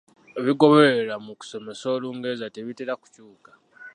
Ebigobererwa mu kusomesa Olungereza tebitera kukyuka.